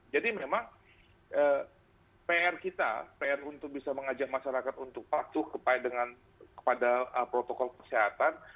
jadi memang pr kita pr untuk bisa mengajak masyarakat untuk patuh kepada protokol tps